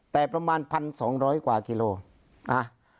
แต่ประมาณ๑๒๐๐กว่ากิโลนะ